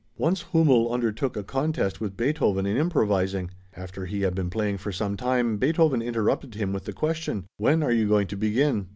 Once Hümmel undertook a contest with Beethoven in improvising. After he had been playing for some time Beethoven interrupted him with the question, "When are you going to begin?"